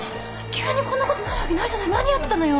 急にこんなことなるわけないじゃない何やってたのよ。